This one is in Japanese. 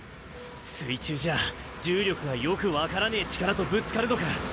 水中じゃ重力がよく分からねえ力とぶつかるのか。